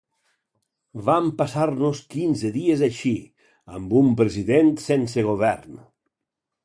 Vam passar-nos quinze dies així, amb un president sense govern.